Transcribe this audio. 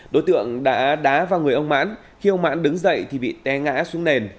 đối tượng đã đá vào người ông mãn khi ông mãn đứng dậy thì bị té ngã xuống nền